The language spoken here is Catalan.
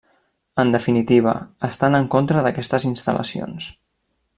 En definitiva: estan en contra d’aquestes instal·lacions.